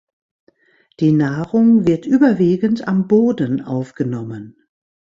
Die Nahrung wird überwiegend am Boden aufgenommen.